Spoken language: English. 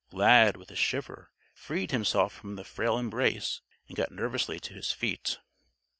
Lad, with a shiver, freed himself from the frail embrace and got nervously to his feet.